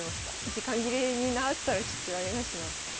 時間切れになったらちょっとあれだしな。